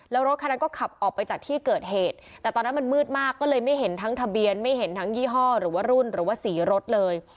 แล้วรถคันนั้นก็ขับออกไปจากที่เกิดเหตุแต่ตอนนั้นมันมืดมากก็เลยไม่เห็นทั้งทะเบียนไม่เห็นทั้งยี่ห้อหรือว่ารุ่นหรือว่าสีรถเลย